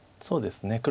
そうですね